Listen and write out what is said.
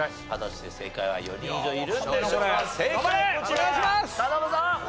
お願いします！